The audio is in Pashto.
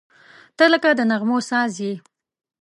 • ته لکه د نغمو ساز یې.